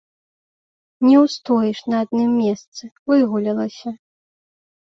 Не ўстоіш на адным месцы, выгулялася!